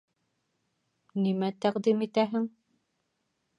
— Нимә тәҡдим итәһең?